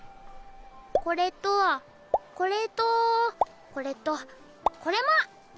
これとこれとこれとこれも。